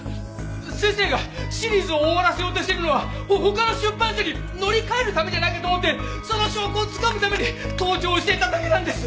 先生がシリーズを終わらせようとしてるのは他の出版社に乗り換えるためじゃないかと思ってその証拠をつかむために盗聴していただけなんです！